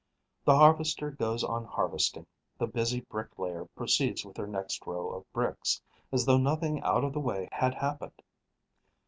The harvester goes on harvesting; the busy bricklayer proceeds with her next row of bricks, as though nothing out of the way had happened.